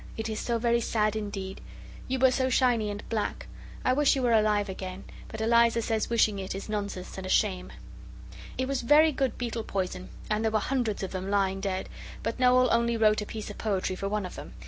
It is so very sad indeed. You were so shiny and black. I wish you were alive again But Eliza says wishing it is nonsense and a shame. It was very good beetle poison, and there were hundreds of them lying dead but Noel only wrote a piece of poetry for one of them.